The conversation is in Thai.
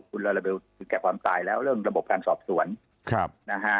คุณลาลาเบลถึงแก่ความตายแล้วเรื่องระบบการสอบสวนนะฮะ